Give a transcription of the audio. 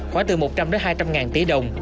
khoảng từ một trăm linh đến hai trăm linh ngàn tỷ đồng